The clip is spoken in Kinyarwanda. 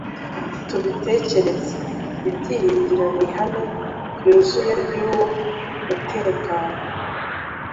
tubitekereza. Ibyiringiro ni ihame ryuzuye ry'uwo mutekano.